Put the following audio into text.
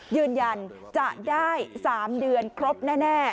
ยืนยันจะได้๓เดือนครบแน่